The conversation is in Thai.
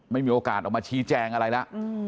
ไม่มีโอกาสออกมาชี้แจงอะไรแล้ว